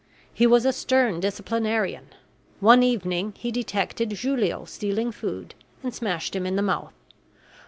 He was a stern disciplinarian. One evening he detected Julio stealing food and smashed him in the mouth.